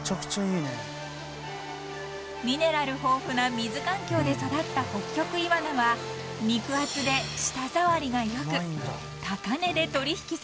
［ミネラル豊富な水環境で育ったホッキョクイワナは肉厚で舌触りが良く］